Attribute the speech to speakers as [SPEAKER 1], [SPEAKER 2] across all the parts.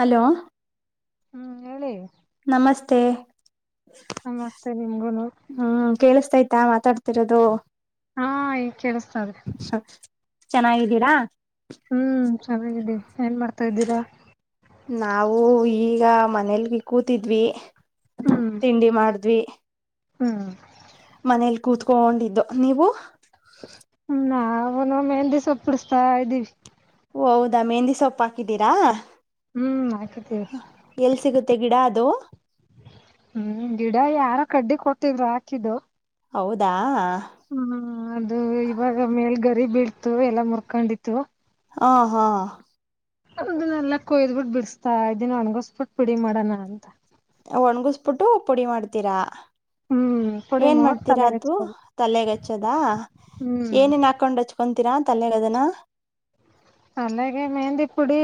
[SPEAKER 1] Hello.
[SPEAKER 2] ಹ್ಮ್ ಹೇಳಿ
[SPEAKER 1] ನಮಸ್ತೆ.
[SPEAKER 2] ನಮಸ್ತೆ ನಿಮ್ಗುನು
[SPEAKER 1] ಹ್ಮ್ ಕೇಳಿಸ್ತಾಯ್ತಾ ಮಾತಾಡ್ತಿರೋದು.
[SPEAKER 2] ಹಾ ಈ ಕೇಳಿಸತಾದ್ರಿ
[SPEAKER 1] ಚೆನ್ನಾಗಿದ್ದೀರಾ
[SPEAKER 2] ಹ್ಮ್ ಚೆನ್ನಾಗಾಗಿದೆಿ ಏನ್ ಮಾಡ್ತಾ ಇದ್ದೀರಾ
[SPEAKER 1] ನಾವು ಈಗ ಮನೇಲಿಕೂತಿದ್ವಿ ತಿಂಡಿ ಮಾಡಿದ್ವಿ.
[SPEAKER 2] ಹ್ಮ.
[SPEAKER 1] ಕೂತ್ಕೊಂಡೊಂಡಿದ್ದು ನೀವು.
[SPEAKER 2] ನಾವುನು ಮೆಹಂದಿ ಸೊಪ್ಪ ಹಚಾತ ಇದ್ದೀವಿ.
[SPEAKER 1] ಓ ಹೌದಾ ಮೆಹಂದಿ ಸೊಪ್ಪು ಹಾಕಿದ್ದೀರಾ.
[SPEAKER 2] ಹ್ಮ್ ಹಾಕಿದೀವಿ.
[SPEAKER 1] ಮತ್ತೆ ಗಿಡ ಅದು.
[SPEAKER 2] ಹ್ಮ್ ಗಿಡ ಯಾರ ಕಡ್ಡಿ ಕೊಟ್ಟಿದ್ರು ಹಾಕಿದ್ದು.
[SPEAKER 1] ಹೌದಾ.
[SPEAKER 2] ಹ್ಮ ಅದು ಇವಾಗ ಮೇಲ್ ಗರಿ ಬೀಳ್ತು ಎಲ್ಲಾ ಮುರ್ಕೊಂಡಿತ್ತು
[SPEAKER 1] ಹಾ ಹಾ
[SPEAKER 2] ಅನ್ನ ಎಲ್ಲ ಕೊಯ್ದ್ಬಿಟ್ಟು ಬಿಡಿಸಸ್ತಾ ಇದಿನ ಒಣಗಸ್ಬಿಟ್ಟು ಪ ಬಿಡಿ ಮಾಡೋಣ ಅಂತ
[SPEAKER 1] ಕಣ್ಗಸ್ಬಿಟ್ಟು ಪುಡಿ ಮಾಡ್ತೀರಾ
[SPEAKER 2] ಹ್ಮ್ ಪುಡಿ
[SPEAKER 1] ಏನ್
[SPEAKER 2] ಮಾಡ್
[SPEAKER 1] ಮಾಡ್ತೀರಾ
[SPEAKER 2] ತಲೆಗೆ
[SPEAKER 1] ಅದದು
[SPEAKER 2] ಹಚ್ಕೋಬೇಕು
[SPEAKER 1] ತಲೆಗ್ ಹಚ್ಚದ
[SPEAKER 2] ಹ್ಮ್
[SPEAKER 1] ಏನನ್ ಹಾಕೊಂಡ್ ಹಚ್ಕೊತೀರಾ ತಲೆಡದನಾ
[SPEAKER 2] ಅಲ್ಲಗೆ ಮೆಹಂದಿ ಪುಡಿ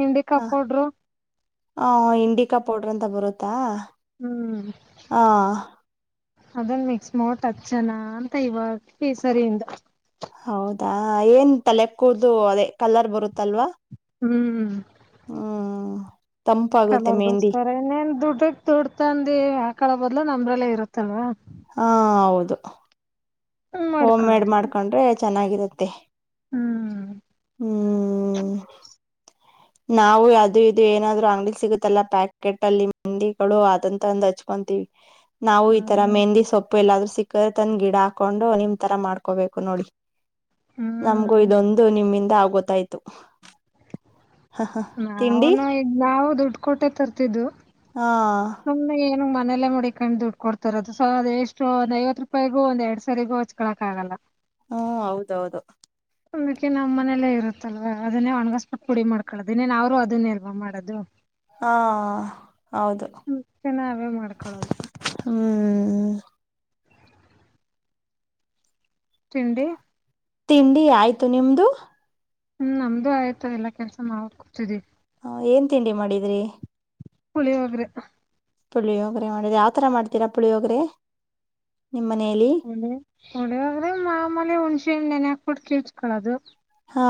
[SPEAKER 2] ಹಂಡಿಕಾಯ ಪೌಡ್ರು
[SPEAKER 1] ಹ ಇಂಡಿಕಾ ಪೌಡ್ರ ಅಂತ ಬರುತ್ತಾ
[SPEAKER 2] ಹ್ಮ್
[SPEAKER 1] ಹ
[SPEAKER 2] ಅದನ್ ಮಿಕ್ಸ್ ಮೋಟ್ ಹತ್ ಚನಾ ಅಂತ ಇವಾಗ ಕೇಸರಿ ಇಿಂದ
[SPEAKER 1] ಹೌದಾ ಏನ್ ತಲೆಕ್ಕೂದು ಅದೇ ಕಲರ್ ಬರುತ್ತಲ್ವಾ
[SPEAKER 2] ಹ್ಮ್
[SPEAKER 1] ಹ್ಮ್ ತಂಪಾಗುತ್ತೆ ಮೆಹಂದಿ
[SPEAKER 2] ಕಲರ್ಗೋಸ್ಕರ ಇನ್ನೇನ್ ದುಡ್ಡ ದುಡ್ತಂದಿ ಆಕಳ ಬದ್ಲ ನಮ್ರಲ್ಲೇ ಇರುತ್ತಲ್ವಾ
[SPEAKER 1] ಹಾ ಹೌದು ಹಓಮ್ ಮೇಡ್
[SPEAKER 2] ಮಾಡ್ಕೊಳೋದು
[SPEAKER 1] ಮಾಡ್ಕೊಂಡ್ರೆ ಚೆನ್ನಾಗಿರತ್ತೆ
[SPEAKER 2] ಹ್ಮ್
[SPEAKER 1] ಹ್ಮ್ ನಾವು ಅದು ಇದು ಏನಾದ್ರು ಅಂಗ್ಡಿ ಸಿಗುತ್ತಲ್ಲಾ ಪ್ಯಾಕೆಟ್ ಅಲ್ಲಿ ಮಂಡಿಗಳು ಅದಂತಂದ ಹಚ್ಕೊಂತ ಇ ನಾವು ಈ ತರ
[SPEAKER 2] ಹ್ಮ್
[SPEAKER 1] ಮೆಹಂದಿ ಸೊಪ್ಪು ಎಲ್ಲಾದ್ ಸಿಕ್ಕ್ರೆ ತಂದ ಗಿಡ ಹಾಕೊಂಡು ನಿಮ್ ತರ ಮಾಡ್ಕೋಬೇಕು ನೋಡಿ ನಮ್ಗೂ
[SPEAKER 2] ಹ್ಮ್
[SPEAKER 1] ಇದೊಂದು ನಿಮ್ಮಿಂದ ಆಗೊತ್ತಾಯ್ತು ತಿಂಡಿ
[SPEAKER 2] ನಾವನು ಈ ನಾವು ದುಡ್ಡು ಕೊಟೆ ತರ್ತಿದ್ದು
[SPEAKER 1] ಹಾ
[SPEAKER 2] ಸು ಏನ ನ್ನೆಲ್ಲಾ ಮಾಡಡಿ ಕಂಡ್ ದುಡ್ ಕೊಡ್ತಾರ ಅದು ಸ ಅ ಎಷ್ಟ ಒಂದ ಐವತ್ತು ರೂಪಾಯಿಗೂ ಒಂದ ಎರಡ್ ಸಾರಿಗೂ ಹಚ್ಕಳಕಕ್ಕಗಲ್ಲ
[SPEAKER 1] ಹಾ ಹೌದೌದು
[SPEAKER 2] ಅಂದಕ್ಕೆ ನಮ್ಮ್ ಮನೇಲ್ಲೇ ಇರುತ್ತಲ್ವ ಅದನ್ನೇ ಒಣಗಿಸಬಿಟ್ಟು ಪುಡಿ ಮಾಡ್ಕೊಳ್ಳೋದನೇನ್ ಅವ್ರು ಅದನ್ನೇ ಅಲ್ವಾ ಮಾಡೋದು
[SPEAKER 1] ಹಾ ಹೌದು
[SPEAKER 2] ಅದಕ್ಕೆ ನಾವೇ ಮಾಡ್ಕೊಳ್ಳೋದು
[SPEAKER 1] ಹ್ಮ್ ಹ್ಮ್
[SPEAKER 2] ತಿಂಡಿ
[SPEAKER 1] ತಿಂಡಿ ಆಯ್ತು ನಿಮ್ದು
[SPEAKER 2] ಹ್ಮ್ ನಮ್ದು ಆಯ್ತು ಎಲ್ಲಾ ಕೆಲ್ಸ ಮಾಡ ಕುೂತಿದಿ
[SPEAKER 1] ಏನ್ ತಿಂಡಿ ಮಾಡಿದ್ರಿ
[SPEAKER 2] ಪುಳಿ ಹೋಗ್ರೆ
[SPEAKER 1] ಪುಳಿಯ ಹೋಗ್ರೆ ಮಾಡುದು ಯಾವ್ತರ ಮಾಡ್ತೀರಾ ಪುಳಿಯ ಹೋಗ್ರೆ
[SPEAKER 2] ಹೊಳ ಹೊಳಿಯ ಆದ್ರೆ ಮಾಮಲೆ ಹುಣ್ಸೆ ಹಣ್ಣ ನೆನೆ ಹಾಕ್ಬಿಟ್ಟು ಕಳ್ಚ್ಕಳದು
[SPEAKER 1] ಹಾ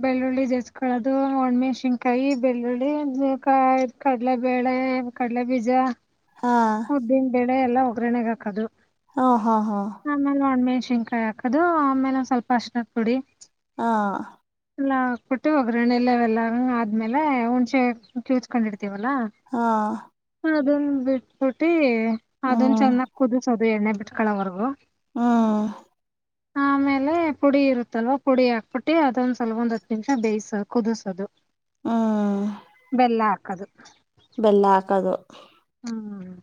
[SPEAKER 2] ಬೆಳ್ಳುಳ್ಳಿ ಜಸ್ಕೊಳ್ಳೋದು ಒಣ್ಮೆ ಶಿನ್ಕಾಯಿ ಬೆಳ್ಳುಳ್ಳಿಕಾಯಿ ಕಡಲೆ ಬೇಳೆ ಕಡ್ಲೆ ಬೀಜ
[SPEAKER 1] ಹಾ
[SPEAKER 2] ಎಲ್ಲ ಒಗ್ಗರಣೆೆಗೆ ಹಾಕದು
[SPEAKER 1] ಹಾ ಹಾ ಹಾ
[SPEAKER 2] ಶಿನ್ಕಾಯಿ ಹಾಕದು ಆಮೇಲೆ ಒಂದ ಸ್ವಲ್ಪ ಅಶ ಕುಡಿ
[SPEAKER 1] ಹಾ
[SPEAKER 2] ಎಲ್ಲ ಹಾ ಕೊಟ್ಟು ಹೋಗ್ರಣ ಎಲ್ಲವೆಲ್ಲ ಆದ್ಮೇಲೆ ಹುಣ್ಸೆ ಕ್ಯೂತ್ಕೊಂಡಿಡ್ತ ಲ್ಲ
[SPEAKER 1] ಹಾ
[SPEAKER 2] ಅದನ್ ಬಿಟ್ಬಿಟ್ಟಿ ಅದನ್
[SPEAKER 1] ಹ್ಮ್
[SPEAKER 2] ಚೆನ್ನಾಗಿ ಕುದಿಸೋ ಅದು ಎಣ್ಣ ಬಿಟ್ಕಳವರ್ಗೂ
[SPEAKER 1] ಹ್ಮ
[SPEAKER 2] ಆಮೇಲೆ ಪುಡಿ ಇರುತ್ತಲ್ವ ಪುಡಿ ಹಾಕ್ಬಿಟ್ಟು ಅದೊಂದ್ ಸ್ವಲ್ಪ ಒಂದ್ ಹತ್ತು ನಿಮಿಷ ಬೇಯಸ ಕುದಸೋದು
[SPEAKER 1] ಹ್ಮ್
[SPEAKER 2] ಬೆಲ್ಲ ಹಾಕದು
[SPEAKER 1] ಬೆಲ್ಲ ಹಾಕದು
[SPEAKER 2] ಹ್ಮ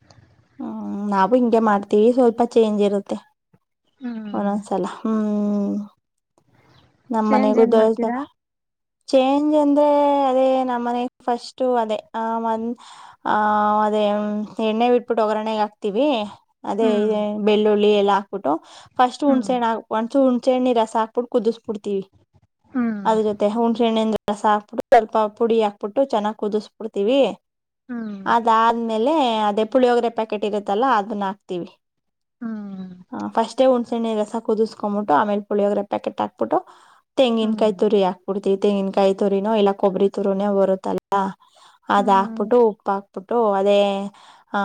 [SPEAKER 1] ಹ್ಮ್ ನಾವು ಹಿಂಗೆ ಮಾಡ್ತೀವಿ ಸ್ವಲ್ಪ ಚೇಂಜ್ ಇರುತ್ತೆ ಒಂದ
[SPEAKER 2] ಹ್ಮ್
[SPEAKER 1] ಒಂದ ಸಲ ಹ್ಮ್
[SPEAKER 2] ಚೇಂಜ್
[SPEAKER 1] ನಮ್ಮನಗೂ
[SPEAKER 2] ಏನ್
[SPEAKER 1] ದತ
[SPEAKER 2] ಮಾಡ್ತೀರಾ
[SPEAKER 1] ಚೇಂಜ್ ಅಂದ್ರೆ ಎ ನಮ್ಮ ಮನೆ ಫಸ್ಟ್ ಅದೇ ಆ ಅದೇ ಎಣ್ಣೆಟ್ಟ ಬಿಟ್ಟು ಒಗ್ಗರಣೆಗೆ ಹಾಕ್ತಿವಿ ಅದೇ
[SPEAKER 2] ಹ್ಮ್
[SPEAKER 1] ಬೆಳ್ಳುಳ್ಳಿ ಎಲ್ಲಾ ಹಾಕ್ಬಿಟ್ಟು ಫಸ್ಟ್
[SPEAKER 2] ಹ್ಮ್
[SPEAKER 1] ಹುಣ್ಸೆಣ್ಣ ಹಾ ಒಂಚೂರು ಹುಣಚೆ ಹಣ್ಣಿನ ರಸ ಹಾಕ್ಬಿಟ್ಟು ಕುದಿಸ್ಬಿಡ್ತೀವಿ
[SPEAKER 2] ಹ್ಮ್
[SPEAKER 1] ಅದ ಜೊತೆ ಹುಣ್ ಚೆಣ್ಣಿಂದ ರಸ ಹಾಕ್ಬಿಟ್ಟು ಸ್ವಲ್ಪ ಪುಡಿ ಹಾಕ್ಬಿಟ್ಟು ಚೆನ್ನಾಗ್ ಕುದಿಸಬಿಡ್ತೀವಿ
[SPEAKER 2] ಹ್ಮ್
[SPEAKER 1] ಅದಾದ್ಮೇಲೆ ಅದೆೇ ಪುಳಿಯೋಗ್ರೆ ಪ್ಯಾಕೆಟ್ ಇರುತ್ತಲ್ಲ ಅದನ್ನ ಹಾಕ್ತಿವಿ.
[SPEAKER 2] ಹ್ಮ್
[SPEAKER 1] ಹ ಫಸ್ಟ್ಯೇ ಉಂಟ ಸಣ್ಣೆ ರಸ ಕುದಿಸ್ಕೊಬಟ್ಟು ಆಮೇಲೆ ಪುಳಿಯೋಗ್ರ ಪ್ಯಾಕೆಟ್ ಹಾಕ್ಬಿಟ್ಟು ತಂಗಿನಕಾಯ
[SPEAKER 2] ಹ್ಮ್
[SPEAKER 1] ತುರಿ ಹಕ್ಬಿಟ್ಟು ತೆಂಗಿನಕಾಯಿ ತುರಿನೋ ಇಲ್ಲ ಕೊಬ್ಬರಿ ತುರಿನೋ ಬರುತ್ತಲ್ಲ ಅದ
[SPEAKER 2] ಹ್ಮ್
[SPEAKER 1] ಹಾಕ್ಬಿಟ್ಟು ಉಪ್ಪಾಕ್ ಪಟ್ಟು ಅದೇ ಆ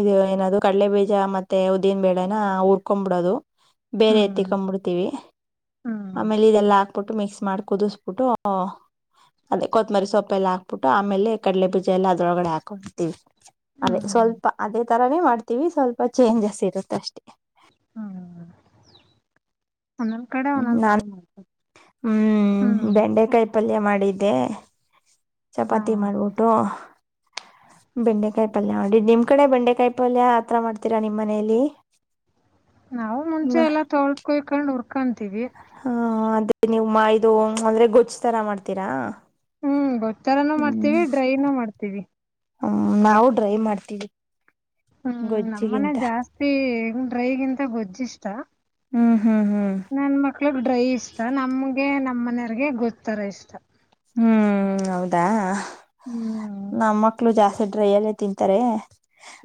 [SPEAKER 1] ಇದು ಏನದು ಕಡಲೆ ಬೀಜ ಮತ್ತೆ ಉದ್ದಿನ ಬೇಳೆನಾ ಹುರ್ಕೊಬಿಡೋದು ಬೇರೆ
[SPEAKER 2] ಹ್ಮ್
[SPEAKER 1] ಎತ್ತಕೊಂಡ್ಬಿಡ್ತೀವಿ
[SPEAKER 2] ಹ್ಮ್
[SPEAKER 1] ಆಮೇಲೆ ಇದೆಲ್ಲ ಆ ಬಿಟ್ಟು ಮಿಕ್ಸ್ ಮಾಡಿ ಕುದಿಸಬಿಟ್ಟು ಅದೇ ಕೊತ್ಮರಿ ಸೊಪ್ಪೆಲ್ಲ ಹಾಕ್ಬಿಟ್ಟು ಆಮೇಲೆ ಕಡಲೆ ಬೀಜ ಎಲ್ಲ ಅದ್ರೊಳಗಡೆ ಹಾಕೊಂತೀವಿ ಅದೇ
[SPEAKER 2] ಹ್ಮ್
[SPEAKER 1] ಸ್ವಲ್ಪ ಅದೇ ತರಾನೇ ಮಾಡ್ತೀವಿ ಸ್ವಲ್ಪ ಚೇಂಜಸ್ ಇರುತ್ತ ಅಷ್ಟೇ.
[SPEAKER 2] ಹ್ಮ್ ಒಂದೊಂದ್ ಕಡೆ ಒಂದೊಂದ್ ತರ
[SPEAKER 1] ನಾನ್
[SPEAKER 2] ಮಾಡ ಹ್ಮ್
[SPEAKER 1] ಹ್ಮ ಬೆಂಡೆಕಾಯಿ ಪಲ್ಯ ಮಾಡ ಮಾಡಿದ್ದೆ
[SPEAKER 2] ಹಾ
[SPEAKER 1] ಚಪಾತಿ ಮಾಡ್ಬಿಟ್ಟು. ಬೆಂಡೆಕಾಯಿ ಪಲ್ಯ ನೋಡಿ ನಿಮ್ ಕಡೆ ಬೆಂಡೆಕಾಯಿ ಪಲ್ಯ ಆತ್ರ ಮಾಡ್ತೀರಾ ನಿಮ್ ಮನೇಲಿ
[SPEAKER 2] ನಾವು ಮುಂಚೆ ಎಲ್ಲಾ ತೊಳ್ಕೊಕೊಂಡ್ ಹುರ್ಕಂತೀವಿ
[SPEAKER 1] ಹ ಅದೇ ನೀವು ಮಾ ಇದು ಅಂದ್ರೆ ಗೊಜ್ಜ ತರ ಮಾಡ್ತೀರಾ
[SPEAKER 2] ಹ್ಮ್ ಗೊತ್ತರಾನೂ ಮಾಡ್ತೀವಿ ಡ್ರೈನುೂ ಮಾಡ್ತೀವಿ.
[SPEAKER 1] ಹ್ಮ ನಾವು ಡ್ರೈವ್ ಮಾಡ್ತೀವಿ
[SPEAKER 2] ಹ್ಮ್ ನಮ್ಮನೆ
[SPEAKER 1] ಗೊಜ್ಜಿಗಿಂತ
[SPEAKER 2] ಜಾಸ್ತಿ ಡ್ರೈಗಿಂತ ಗೊಜ್ಜಿಷ್ಟ
[SPEAKER 1] ಹ್ಮ್ ಹ್ಮ್ ಹ್ಮ್
[SPEAKER 2] ನನ್ ಮಕ್ಳು ಡ್ರೈ ಇಷ್ಟ ನಮಗೆ ನಮ್ಮ ಮನೆಯವರ್ಗೆ ಗೊಜ್ತ್ತರ ಇಷ್ಟ
[SPEAKER 1] ಹ್ಮ್ ಹೌದಾ
[SPEAKER 2] ಹ್ಮ್
[SPEAKER 1] ನಮ್ಮ ಮಕ್ಳು ಜಾಸ್ತಿ ಡ್ರೈಯಲ್ಲೇ ತಿಂತಾರೆ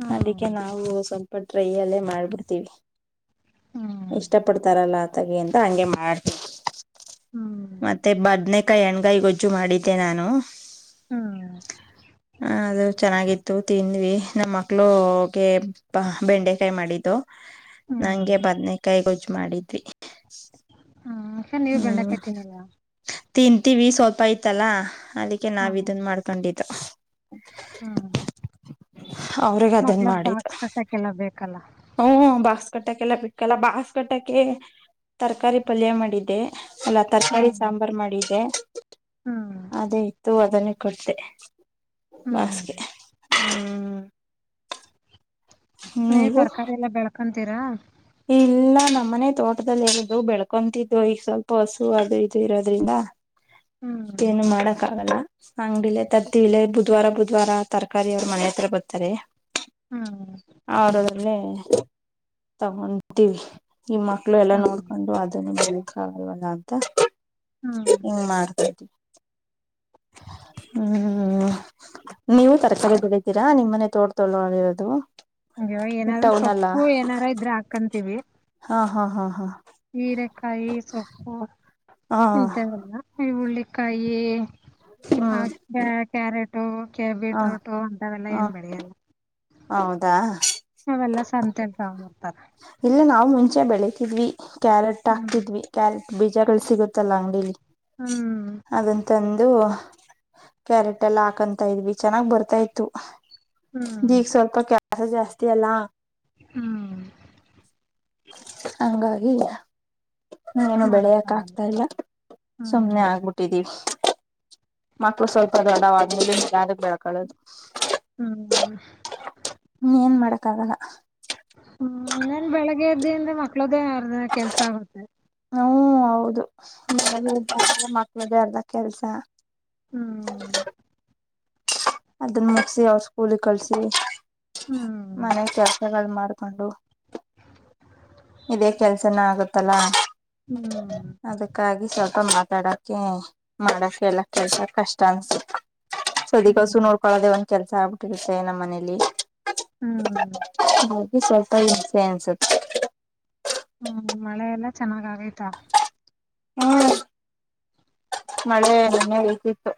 [SPEAKER 2] ಹ್ಮ್
[SPEAKER 1] ಅದಕ್ಕೆ ನಾವು ಸ್ವಲ್ಪ ಟ್ರೈ ಅಲ್ಲೇ ಮಾಡ್ಬಿಡ್ತೀವಿ
[SPEAKER 2] ಹ್ಮ್
[SPEAKER 1] ಇಷ್ಟಪಡ್ತಾರಲ್ಲ ಆತಗಿ ಅಂತ ಹಂಗೆ ಮಾಡತಿವಿ
[SPEAKER 2] ಹ್ಮ್
[SPEAKER 1] ಮತ್ತೆ ಬದ್ನೇಕಾಯಿ ಎಣ್ಗಾಯಿ ಗೊಜ್ಜು ಮಾಡಿದ್ದೆ ನಾನು.
[SPEAKER 2] ಹ್ಮ್
[SPEAKER 1] ಹಾ ಅದೇ ಚೆನ್ನಾಗಿತ್ತು ತಿಂದ್ವಿ ನಮ್ಮ ಮಕ್ಳುಗೆ ಬೆಂಡೆಕಾಯಿ ಮಾಡಿದ್ದು
[SPEAKER 2] ಹ್ಮ್
[SPEAKER 1] ನಂಗೆ ಬದ್ನೇಕಾಯಿ ಗೊಜ್ಜು ಮಾಡಿದ್ವಿ
[SPEAKER 2] ಹಾ ಯಾಕೆ ನೀವ
[SPEAKER 1] ಹ್ಮ್
[SPEAKER 2] ಬೆಂಡಕಯಿತೀನಲ್ಲವ
[SPEAKER 1] ತಿಂತೀವಿ ಸ್ವಲ್ಪ ಐತಲ್ಲಾ. ಅದಕ್ಕೆ ನಾವ
[SPEAKER 2] ಹ್ಮ್
[SPEAKER 1] ಇದನ್ ಮಾಡ್ಕೊಂಡಿದ್ದ
[SPEAKER 2] ಹ್ಮ್
[SPEAKER 1] ಅವ್ರಗ ಅದನ್
[SPEAKER 2] ಮಕ್ಳಗ್
[SPEAKER 1] ಮಾಡಿದ್ದು
[SPEAKER 2] ಬಾಕ್ಸ್ ಕಟ್ಟಕ್ಕೆಲ್ಲ ಬೇಕಲ್ಲ
[SPEAKER 1] ಹ ಬಾಸ್ ಕಟ್ಟಕ್ಕೆೆಲ್ಲ ಬಿಟ್ಟಲ್ಲ ಬಾಸ್ ಕಟ್ಟಕ್ಕೆ ತರಕಾರಿ ಪಲ್ಯ ಮಾಡಿದ್ದೆ ಅಲ್ಲ ತರಕಾರಿ
[SPEAKER 2] ಹ್ಮ್
[SPEAKER 1] ಸಾಂಬಾರ್ ಮಾಡಿದೆ
[SPEAKER 2] ಹ್ಮ್
[SPEAKER 1] ಅದೇ ಇತ್ತು ಅದನ್ನೇ ಕೊಡ್ದೆ
[SPEAKER 2] ಹ್ಮ್
[SPEAKER 1] ಬಸ್ಕ ಹ್ಮ್
[SPEAKER 2] ನೀವ್
[SPEAKER 1] ನೀವು
[SPEAKER 2] ತರಕಾರಿ ಎಲ್ಲಾ ಬೆಳ್ಕಂತೀರಾ
[SPEAKER 1] ಇಲ್ಲ ನಮ್ಮನೆ ತೋಟದಲ್ಲಿ ಇರೋದು ಬೆಳ್ಕೊಂತಿದ್ದು ಈಗ ಸ್ವಲ್ಪ ಹಸು ಅದು ಇದು ಇರೋದ್ರಿಂದ
[SPEAKER 2] ಹ್ಮ್
[SPEAKER 1] ಏನು ಮಾಡಕ್ಕ ಆಗಲ್ಲ ಅಂಗಡಿಲೆ ತತ್ತಿಲೆ ಬುಧವಾರ ಬ ಜ್ವಾರ ತರಕಾರಿ ಅವ್ರ ಮನೆ ಹತ್ರ ಬರ್ತಾರೆ
[SPEAKER 2] ಹ್ಮ್
[SPEAKER 1] ಅವರುದ್ರಲ್ಲಿ ತಗಂತೀವಿ ನಿಮ ಮಕ್ಳು ಎಲ್ಲ
[SPEAKER 2] ಹ್ಮ್
[SPEAKER 1] ನೋಡ್ಕೊಂಡು ಅದನ್ನ ನಿ ಬಕ್ಕ ಆಗಲ್ವಲ್ಲ ಅಂತ
[SPEAKER 2] ಹ್ಮ್
[SPEAKER 1] ಹಿಂಗ್ ಮಾಡ್ತಇದಿವಿ ಹ ಹ್ಮ್ ನೀವು ತರಕಾರಿ ಬೆಳಿತೀರಾ ನಿಮ್ಮ್ನೆ ತೋಡ್ ತೋಳಿರೋದು
[SPEAKER 2] ಹವಾಗ ಏನಾದೂ ಸೊಪ್ಪು ಏನಾರ ಇದ್ರ ಹಾಕೊಂತೀವಿ
[SPEAKER 1] ಹಾ ಹಾ ಹಾ ಹಾ
[SPEAKER 2] ಹೀರೆಕಾಯಿ ಸೊಪ್ಪು
[SPEAKER 1] ಹಾ
[SPEAKER 2] ಇದಲ್ಲ ಈ ಹಳ್ಳಿಕಾಯಿ
[SPEAKER 1] ಹ್ಮ್
[SPEAKER 2] ಹಾಗ ಕ್ಯಾರೆಟ್ ೆ
[SPEAKER 1] ಹ
[SPEAKER 2] ಬೀಟ್ರೂಟು ಉಂಟಾವೆಲ್ಲಾ
[SPEAKER 1] ಹ
[SPEAKER 2] ಏನ್ ಬೆಳೆಯಲ್ಲ
[SPEAKER 1] ಹೌದಾ
[SPEAKER 2] ಸಂತೆ ಮಾಡ್ತಾರೆ
[SPEAKER 1] ಇಲ್ಲ ನಾವು ಮುಂಚೆ ಬೆಳತಿದ್ವಿ ಕ್ಯಾರೆಟ್
[SPEAKER 2] ಹ್ಮ್
[SPEAKER 1] ಹಾಕ್ತಿದ್ವಿ ಕ್ಯಾರೆಟ್ ಬೀಜಗಳು ಸಿಗುತ್ತಲ್ಲ ಅಂಗಡಿಲಿ
[SPEAKER 2] ಹ್ಮ್
[SPEAKER 1] ಹಾಗಂತಂದು ಕ್ಯಾರೆಟ್ ಎಲ್ಲ ಹಾಕಂತ ಇದ್ವಿ ಚೆನ್ನಾಗ್ ಬರ್ತಾ ಇತ್ತು
[SPEAKER 2] ಹ್ಮ್
[SPEAKER 1] ಈಗ ಸ್ವಲ್ಪ ಕೆಲಸ ಜಾಸ್ತಿ ಅಲ್ಲಾ
[SPEAKER 2] ಹ್ಮ್
[SPEAKER 1] ಹಂಗಾಗಿ ನೀ್ಮ ಏನು ಬೆಳೆಯಕ್
[SPEAKER 2] ಮಾಡಕ್ಕಾಗಲ್ಲ
[SPEAKER 1] ಆಗ್ತಾ ಇಲ್ಲ ಸುಮ್ನೆ
[SPEAKER 2] ಹ್ಮ್
[SPEAKER 1] ಆಗ್ಬಿಟ್ಟಿದೀವಿ ಮಕ್ಳು ಸ್ವಲ್ಪ ದೃಡವ್ಮಲೆ ಯಾರ ಬೆಳ್ಕಳೋದು
[SPEAKER 2] ಹ್ಮ
[SPEAKER 1] ನೀ ಏನ್ ಮಾಡಕ್ಕಾಗಲ್ಲ
[SPEAKER 2] ಹಿಂದ ಮಕ್ಳದ್ದೇ ಯಾರದ ಕೆಲ್ಸ ಆಗುತ್ತೆ
[SPEAKER 1] ಹ್ಮ ಹೌದು ಮಕ್ಳ್ದೇ ಅರ್ದ ಕೆಲ್ಸ
[SPEAKER 2] ಹ್ಮ್
[SPEAKER 1] ಅದನ್ನ ಮುಗಸಿ ಅವ್ರ ಸ್ಕೂಲ ಕಳ್ಸಿ
[SPEAKER 2] ಹ್ಮ್
[SPEAKER 1] ಮನೆ ಕೆಲಸಗಳು ಮಾಡ್ ಕಂಡು ಇದೇ ಕೆಲ್ಸನ ಆಗುತ್ತಲ್ಲಾ
[SPEAKER 2] ಹ್ಮ್
[SPEAKER 1] ಅದಕ್ಕಾಗಿ ಸ್ವಲ್ಪ ಮಾ ಡಕ ಮಾಡಕ ಎಲ್ಲ ಕೆಲ್ಸಕ್ ಕಷ್ಟ ಅನ್ಸಕ್ ಸದ ಕಸು
[SPEAKER 2] ಹ್ಮ್
[SPEAKER 1] ನೋಡ್ಕೊಳೋದೆೇ ಒಂದ್ ಕೆಲ್ಸ ಆಗ್ಬಿಟ್ಟಿರುತ್ತೆ ನಮ್ಮ ಮನೇಲಿ
[SPEAKER 2] ಹ್ಮ್
[SPEAKER 1] ಹಾಗಾಗಿ ಸ್ವಲ್ಪ ಇನ್ಸೆನ್ಸ
[SPEAKER 2] ಹ್ಮ ಮಳೆಲ್ಲಾ ಚೆನ್ನಾಗ ಆಗೈ್ತಾ
[SPEAKER 1] ಹ್ಮ ಮಳೆ ಮನೆೆ ಬೇಕಿತ್ತು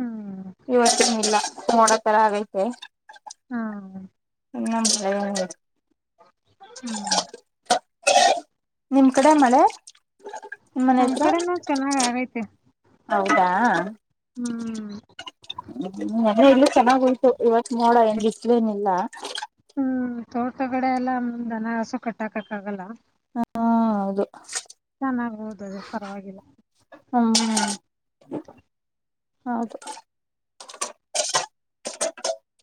[SPEAKER 2] ಹ್ಮ್
[SPEAKER 1] ಇವತ್ತ ಇಲ್ಲ ಮಡಾತರಾವ
[SPEAKER 2] ಹಾ
[SPEAKER 1] ನ
[SPEAKER 2] ಹ್ಮ್
[SPEAKER 1] ನಿಮ್ ಕಡೆ ಮಳೆ ನಿಮ್ಮನೆ
[SPEAKER 2] ನಮ್ ಕಡೆನೂ ಚೆನ್ನಾಗ್
[SPEAKER 1] ಹತ್ರತ್ರ
[SPEAKER 2] ಆಗೈತೆ
[SPEAKER 1] ಹೌದಾ
[SPEAKER 2] ಹ್ಮ್
[SPEAKER 1] ಹೇಳ ಚೆನ್ನಾಗ ಉಯಟು ಇವತ್ತು ನೋಡ ಎಂಗ ಇಿಸಲೇನಿಲ್ಲ
[SPEAKER 2] ಹ್ಮ್ ತೋಟಗಡೆ ಎಲ್ಲಾ ದನ ಹಸು ಕಟ್ಟಾಕಕ್ಕ ಆಗಲ್ಲ
[SPEAKER 1] ಹಾ ಹೌದು
[SPEAKER 2] ಚೆನ್ನಾಗ್ೋದು ಅದೇ ಪರವಾಗಿಲ್ಲ
[SPEAKER 1] ಹ್ಮ್ ಹ್ಮ ಹೌದು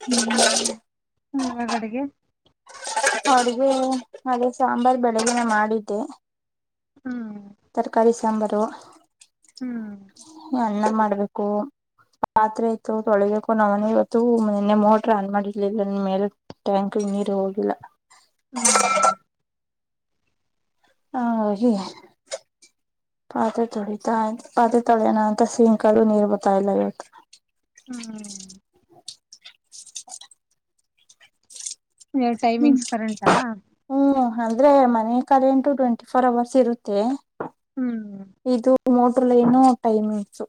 [SPEAKER 1] ಹ್ಮ
[SPEAKER 2] ಹ್ಮ ಹೊರಗಡೆಗೆ
[SPEAKER 1] ಅಡ್ಗೆ ಅದೇ ಸಾಂಬಾರ್ ಬೆಳಗನ ಮಾಡಿದ್ದೆ
[SPEAKER 2] ಹ್ಮ
[SPEAKER 1] ತರಕಾರಿ ಸಾಂಬಾರು
[SPEAKER 2] ಹ್ಮ್
[SPEAKER 1] ಎಲ್ಲ ಮಾಡ್ಬೇಕು ಪಾತ್ರೆ ಆಯತತ್ತು ತೊಳಿಬೇಕು ನಾವನ ಇವತ್ತು ನಿನ್ನೆ ಮೋಟರ್ ಆನ್ ಮಾಡಿರ್ಲಿಲ್ಲ ನಿ ಮೇಲೆ ಟ್ಯಾಂಕ್ ನೀರು ಹೋಗಿಲ್ಲ
[SPEAKER 2] ಹ್ಮ್
[SPEAKER 1] ಹಾ ಪಾತ್ರೆ ತೊಳಿತಾ ಆ್ ಪಾತ್ರೆ ತೊಳಿಯೋಣ ಅಂತ ಸಿಂಕದು ನೀರ್ ಬತ್ತಾ ಇಲ್ಲ ಇವತ್ರ
[SPEAKER 2] ಹ್ಮ್ ನೀ ಟೈಮಿಂಗ್ಸ್ ಕರೆಂಟಾ
[SPEAKER 1] ಹ ಅಂದ್ರೆ ಮನೆ ಕಾಲ ಎಂಟು ಟ್ವೆಂಟಿ ಫೋರ್ ಅವರ್ಸ್ ಇರುತ್ತೆ
[SPEAKER 2] ಹ್ಮ್
[SPEAKER 1] ಇದು ಮೋಟರ್ ಲ ಏನ ಟೈಮಿಂಗ್ಸ್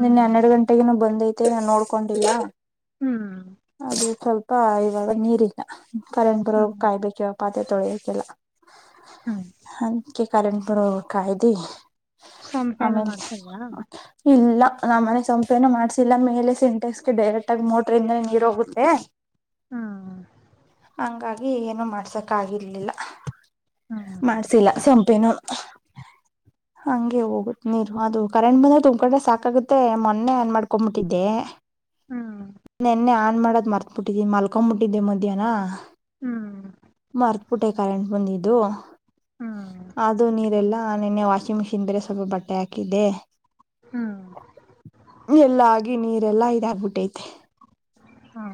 [SPEAKER 2] ಹ್ಮ್
[SPEAKER 1] ನಿನ್ನೆ ಹನ್ನೆರಡು ಗಂಟೆೆಗೆ ಬಂದೈತಿ ಮತ್ತ ನೋಡ್ಕೊಂಡಿಲ್ಲ
[SPEAKER 2] ಹ್ಮ್
[SPEAKER 1] ಅದು ಸ್ವಲ್ಪ ಇವಾಗ ನೀರಗ ಕರೆಂಟ್ ಬರೋ
[SPEAKER 2] ಹ್ಮ್
[SPEAKER 1] ಕಾಯ್ಬೇಕ ಪಾಾದ ತೊಳಿಬೇಕಕ್ಕೆೆಲ್ಲ
[SPEAKER 2] ಹ್ಮ್
[SPEAKER 1] ಕ ಕ್ದಿ
[SPEAKER 2] ಸಂಪೆನ
[SPEAKER 1] ಆಮೇ
[SPEAKER 2] ಮಾಡ್ಸಿಲ್ವಾ
[SPEAKER 1] ಇ ನಮ್ಮ್ ಮನೆ ಸಂಪೇನು ಮಾಡ್ಸಿಲ್ಲ ಮೇಲೆ ಸಿಂಟೆಕ್ಸ್ ಡೈರೆಕ್ಟ್ ಆಗ ಮೋಟ್ರ ಇಂದ ನೀರ್ ಹೋಗುತ್ತೆ
[SPEAKER 2] ಹಾ
[SPEAKER 1] ಹಂಗಾಗಿ ಏನು ಮಾಡ್ಸಕ್ ಆಗರ್ಲಿಲ್ಲ
[SPEAKER 2] ಹ್ಮ್
[SPEAKER 1] ಮಾಡ್ಸಿಲ್ಲಂ ಪನ್ನು ಹಂಗೆ ಹೋಗುತ್ತೆ ನೀರು ಅದು ಕರೆಂಟ್ ಬಂದ್ರೆ ತುಮ್ ಕಡೆ ಸಾಕಾಗುತ್ತೆ ಮೊನ್ನೆ ಏನ್ ಮಾಡ್ಕೊ್ಬಿಟ್ಟಿದ್ದೆ
[SPEAKER 2] ಹ್ಮ್
[SPEAKER 1] ನ್ನೆ ಆನ್ ಮಾಡೋದ್ ಮರ್ತ್ಬಿಟ್ಟಿದ್ದೀ ಮಲ್ಕೊಬಿಟ್ಟಿದ್ದೆ ಮಧ್ಯಾಹ್ನ
[SPEAKER 2] ಹ್ಮ್
[SPEAKER 1] ಮಿ ಕ ಬ
[SPEAKER 2] ಹ್ಮ್
[SPEAKER 1] ಅ ನಿನ್ನೆ ವಾಷಿಂಗ್ ಮಿಷಿನ್ ಬೇರೆ ಸ್ವಲ್ಪ ಬಟ್ಟೆ ಹಾಕಿದ್ದೆ
[SPEAKER 2] ಹ್ಮ್
[SPEAKER 1] ಎಲ್ಲಗಿ ನೀರೆಲ್ಲಾ ಇದಾಗಬಿಟ್ಟತೆ
[SPEAKER 2] ಹಾ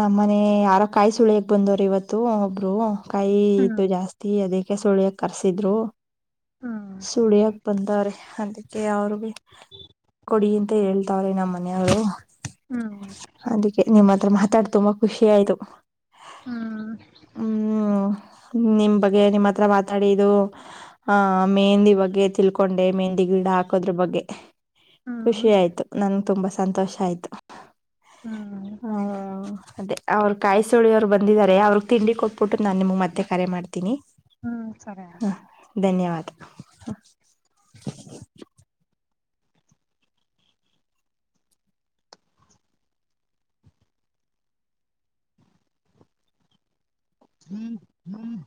[SPEAKER 1] ನಮ್ಮನೆ ಯಾರ ಕಾಯಿ ಸುಳಿಯಕ್ ಬಂದವ್ರ ಇವತ್ತು ಒಬ್ರು ಕಾಯಿ
[SPEAKER 2] ಹ್ಮ್
[SPEAKER 1] ಇತ್ತು ಜಾಸ್ತಿ ಅದಕ್ಕೆ ಸುಳ್ಯಕ್ ಕರ್ಸಿದ್ರು
[SPEAKER 2] ಹ್ಮ್
[SPEAKER 1] ಸುಡಿಯಕ್ ಬಂದಾರೆ ಅದಕ್ಕೆ ಅವರು ಭ ಕೊಡಿ ಅಂತ ಹೇಳ್ತಾವ್ರಿ ನಮ್ಮ ಮನೆಯವರು
[SPEAKER 2] ಹ್ಮ್
[SPEAKER 1] ಅದಕ್ಕೆ ನಿಮ್ಮ ಹತ್ರ ಮಾತಾಡ್ ತುಂಬಾ ಖುಷಿ ಆಯ್ತು
[SPEAKER 2] ಹ್ಮ
[SPEAKER 1] ಹ್ಮ್ ನಿಮ್ ಬಗ್ಗೆ ನಿಮ್ಮ್ ಹತ್ರ ಮಾತಾಡ ಇ ಆ ಮೆಂದಿ ಬಗ್ಗೆ ತಿಳ್ಕೊಂಡೆ ಮೆಹಂಡಿ ಗಿಡ ಹಾಕೋದ್ರ ಬಗ್ಗೆ ಖುಷಿ
[SPEAKER 2] ಹ್ಮ್
[SPEAKER 1] ಆಯ್ತು ನನ್ಗೆ ತುಂಬಾ ಸಂತೋಷ ಆಯ್ತು
[SPEAKER 2] ಹ್ಮ್ ಥ್ಯಾಂಕ್ ಯು
[SPEAKER 1] ಹ್ಮ ಅದೇ ಅವರು ಕಾಯಿ ಸುಳಿಯವರು ಬಂದಿದ್ದಾರೆ ಅವ್ರ ತಿಂಡಿ ಕೊಟ್ಬಿಟ್ಟು ನಾನು ನಿಮ್ಗೆ ಮತ್ತೆ ಕರೆ ಮಾಡ್ತೀನಿ
[SPEAKER 2] ಹ್ಮ್
[SPEAKER 1] ಹಾ ಧನ್ಯವಾದ
[SPEAKER 2] ಹ್ಮ್ ಹ್ಮ್